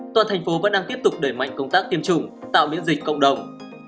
toàn thành phố vẫn đang tiếp tục đẩy mạnh công tác tiêm chủng tạo miễn dịch cộng đồng